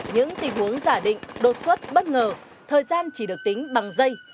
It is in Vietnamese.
những tình huống giả định đột xuất bất ngờ thời gian chỉ được tính bằng dây